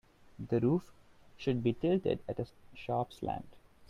The roof should be tilted at a sharp slant.